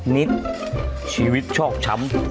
นิดชีวิตชอบช้ำ